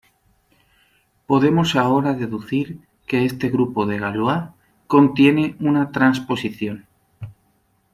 Podemos ahora deducir que este grupo de Galois contiene una trasposición.